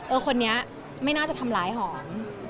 คนนี้ไม่น่าจะทำร้ายหอม